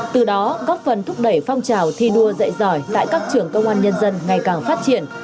từ đó góp phần thúc đẩy phong trào thi đua dạy giỏi tại các trường công an nhân dân ngày càng phát triển